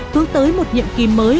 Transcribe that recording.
tướng tới một nhiệm kỳ mới